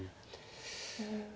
うん。